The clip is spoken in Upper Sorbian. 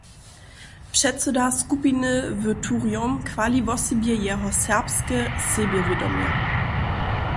Předsyda skupiny w Turjom chwali wosebje jeho serbske sebjewědomje.